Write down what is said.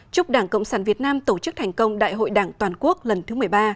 chúc đảng cộng sản việt nam tổ chức thành công đại hội đảng toàn quốc lần thứ một mươi ba